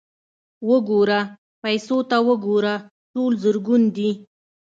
_وګوره، پيسو ته وګوره! ټول زرګون دي.